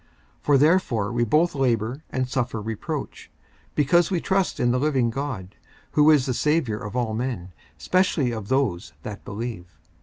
54:004:010 For therefore we both labour and suffer reproach, because we trust in the living God, who is the Saviour of all men, specially of those that believe.